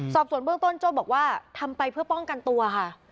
สอบส่วนเบื้องต้นโจ้บอกว่าทำไปเพื่อป้องกันตัวค่ะ